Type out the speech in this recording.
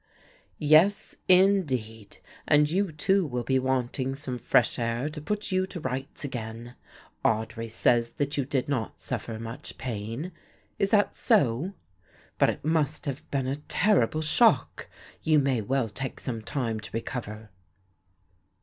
"Yes, indeed, and you too will be wanting some fresh air to put you to rights again. Audry says that you did not suffer much pain; is that so? But it must have been a terrible shock; you may well take some time to recover."